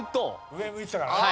上向いてたからね。